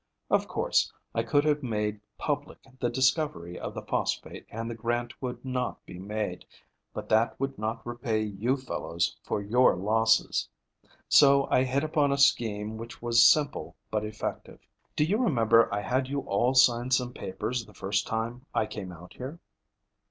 Of course, I could have made public the discovery of the phosphate and the grant would not be made, but that would not repay you fellows for your losses. So I hit upon a scheme which was simple but effective. Do you remember I had you all sign some papers the first time I came out here?"